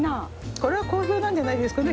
これは好評なんじゃないですかね。